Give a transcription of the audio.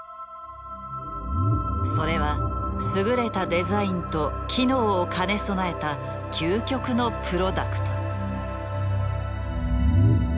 それは優れたデザインと機能を兼ね備えた究極のプロダクト。